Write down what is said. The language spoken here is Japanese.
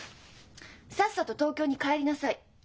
さっさと東京に帰りなさい。